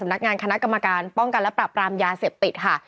นักงานคณะกรรมการป้องกันและปรับปรามยาเสพติดค่ะ